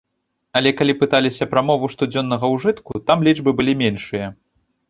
Але калі пыталіся пра мову штодзённага ўжытку, там лічбы былі меншыя.